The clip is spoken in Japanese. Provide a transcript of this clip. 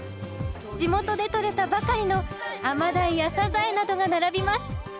地元で取れたばかりのアマダイやサザエなどが並びます。